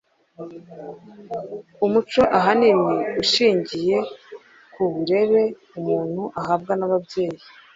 Umuco ahanini ushingiye kuburere umuntu ahabwa nababyeyi